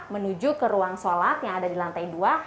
menuju ke ruang sholat yang ada di lantai dua